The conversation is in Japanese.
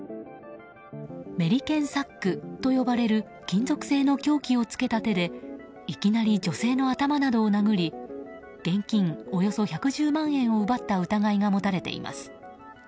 メリケンサックと呼ばれる金属製の凶器をつけた手でいきなり女性の頭などを殴り現金およそ１１０万円を奪った疑いが持たれています。